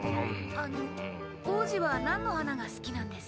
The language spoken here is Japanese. ・あの王子は何の花が好きなんです？